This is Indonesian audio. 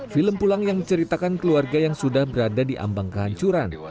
film pulang yang menceritakan keluarga yang sudah berada di ambang kehancuran